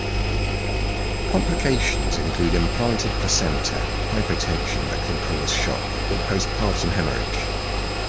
Complications include implanted placenta, hypotension that can cause shock, or postpartum hemorrhage.